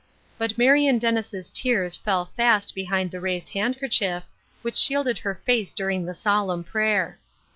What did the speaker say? But Marion Dennis' tears fell fast behind the raised handkerchief, which shielded her face during the solemn prayer.